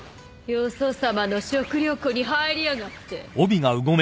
・よそさまの食糧庫に入りやがって。